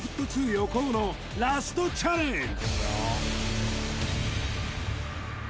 横尾のラストチャレンジ